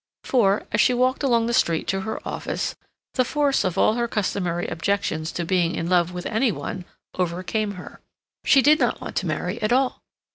For, as she walked along the street to her office, the force of all her customary objections to being in love with any one overcame her. She did not want to marry at all.